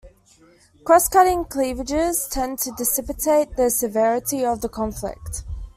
Cross-cutting cleavages tend to dissipate the severity of the conflict.